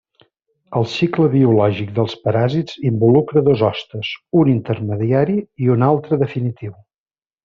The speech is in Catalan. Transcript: El cicle biològic dels paràsits involucra dos hostes, un intermediari i un altre definitiu.